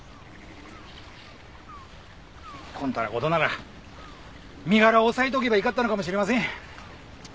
こんたらことなら身柄を押さえておけばいかったのかもしれません。